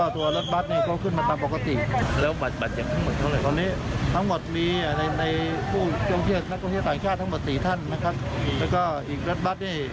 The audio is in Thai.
ทั้งหมด๔ท่านนะคะแล้วก็อีกรถบัตรนี้